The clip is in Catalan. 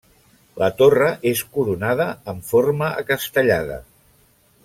La torre és coronada en forma acastellada.